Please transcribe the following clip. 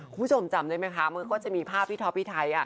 คุณผู้ชมจำได้ไหมคะมันก็จะมีภาพพี่ท็อปพี่ไทย